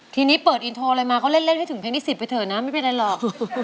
ทีนี้เปิดอินโทรอะไรมาก็เล่นให้ถึงเพลงที่๑๐ไปเถอะนะไม่เป็นไรหรอก